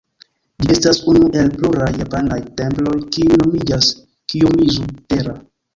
Ĝi estas unu el pluraj japanaj temploj, kiuj nomiĝas Kijomizu-dera.